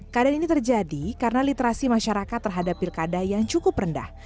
keadaan ini terjadi karena literasi masyarakat terhadap pilkada yang cukup rendah